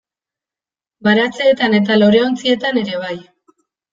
Baratzeetan eta loreontzietan ere bai.